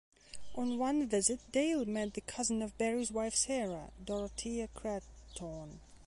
On one visit, Dale met the cousin of Barry's wife Sarah, Dorethea Crathorne.